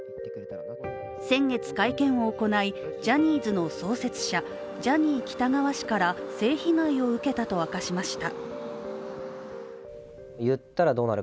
先月、会見を行い、ジャニーズの創設者ジャニー喜多川氏から性被害を受けたと明かしました。